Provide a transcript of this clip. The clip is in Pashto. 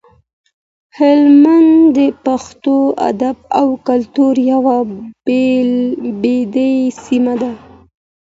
هلمند د پښتو ادب او کلتور یوه بډایه سیمه ده.